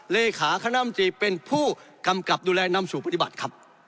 เลขาคณะมตรีเป็นผู้กำกับดูแลนำสู่ปฏิบัติครับ